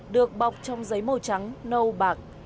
được bọc trong giấy màu trắng nâu bạc